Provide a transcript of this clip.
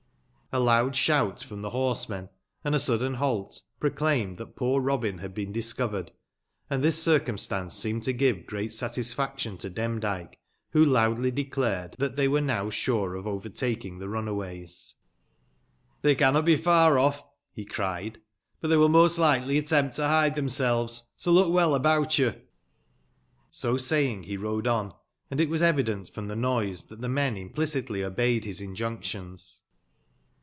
A loud sbout from tbe borsemen, and a sudden balt, proclaimed tbat poor Eobin bad been dis covered ; and tbis circumstance seemed to give great satisfaction to Demdike, wbo loudly declared tbat tbey were now sure of overtaking tbe runaways. " Tbey cannot be far off," be c^ied \" but tbey will most likely attempt to bide tbemselves, so look well about you.' So saying, be rode on, and it was evident from tbe noise, tbat tbe men implicitly obeyed bis injunctions.